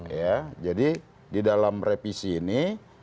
ya jadi di dalam revisi ini